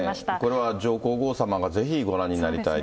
これは上皇后さまがぜひご覧になりたいと。